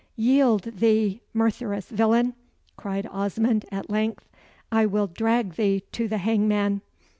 "Yield thee, murtherous villain," cried Osmond at length. "I will drag thee to the hangman."